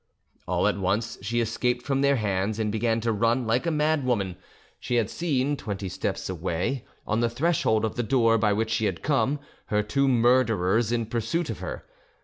All at once she escaped from their hands and began to run like a mad woman; she had seen, twenty steps away, on the threshold of the door by which she had come, her two murderers in pursuit of her.